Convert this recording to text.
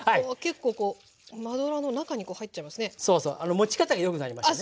持ち方が良くなりましたね。